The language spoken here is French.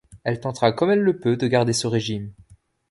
Elle tentera comme elle le peut de garder ce régime.